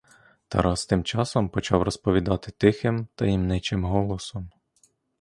Тарас тим часом почав розповідати тихим таємничим голосом.